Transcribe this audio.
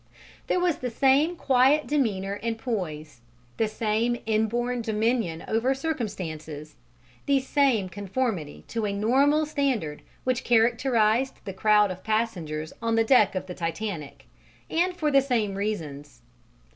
There was the same quiet demeanour and poise, the same inborn dominion over circumstances, the same conformity to a normal standard which characterized the crowd of passengers on the deck of the Titanic and for the same reasons.